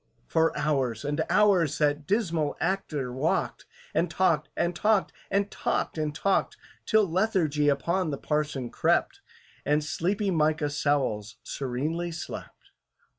For hours and hours that dismal actor walked, And talked, and talked, and talked, and talked, Till lethargy upon the parson crept, And sleepy MICAH SOWLS serenely slept.